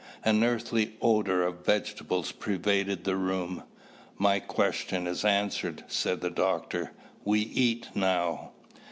An earthly odor of vegetables pervaded the room. "My question is answered," said the doctor. "We eat now."